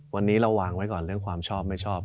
วันนี้เราวางไว้ก่อนเรื่องความชอบไม่ชอบ